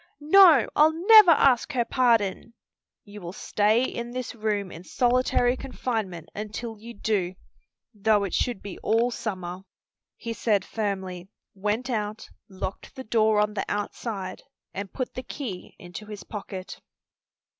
"No; I'll never ask her pardon!" "You will stay in this room in solitary confinement until you do, though it should be all summer," he said firmly, went out, locked the door on the outside, and put the key into his pocket.